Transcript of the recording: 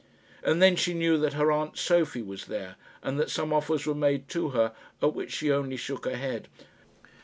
And then she knew that her aunt Sophie was there, and that some offers were made to her at which she only shook her head.